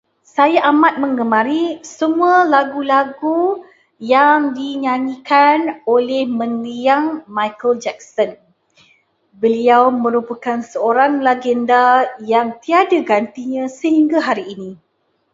Saya amat menggemari semua lagu-lagu yang dinyanyikan oleh mendiang Michael Jackson. Beliau merupakan seorang legenda yang tiada gantinya sehingga hari ini.